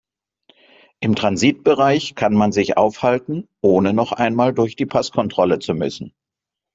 Im Transitbereich kann man sich aufhalten, ohne noch einmal durch die Passkontrolle zu müssen.